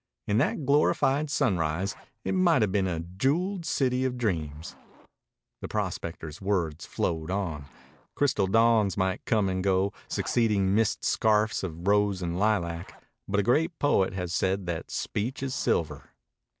In that glorified sunrise it might have been a jeweled city of dreams. The prospector's words flowed on. Crystal dawns might come and go, succeeding mist scarfs of rose and lilac, but a great poet has said that speech is silver.